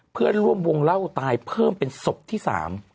เพื่อนร่วมวงเล่นเต็มได้เพิ่มเป็นสมสมอธิสาม